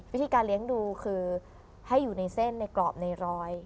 วิธีการเลี้ยงดูคือให้อยู่ในเส้นในกรอบในร้อย